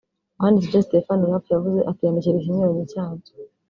wanditse ibyo Stephen Rapp yavuze akiyandikira ikinyuranyo cyabyo